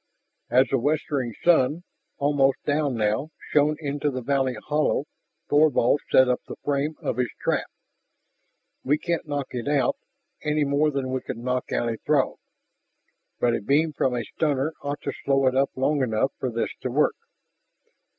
As the westering sun, almost down now, shone into the valley hollow Thorvald set up the frame of his trap. "We can't knock it out, any more than we can knock out a Throg. But a beam from a stunner ought to slow it up long enough for this to work."